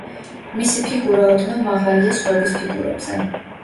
მისი ფიგურა ოდნავ მაღალია სხვების ფიგურებზე.